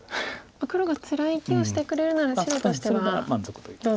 黒がつらい生きをしてくれるなら白としては。